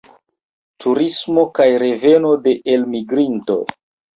Turismo kaj reveno de elmigrintoj.